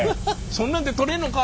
そんなんで取れんのか？